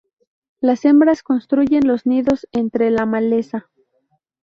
Las hembras construyen los nidos entre la maleza.